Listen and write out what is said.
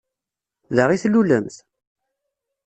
Da i tlulemt?